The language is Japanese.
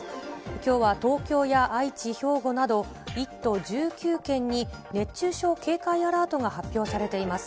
きょうは東京や愛知、兵庫など、１都１９県に熱中症警戒アラートが発表されています。